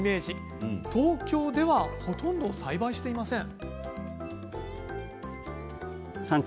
東京ではほとんど栽培していません。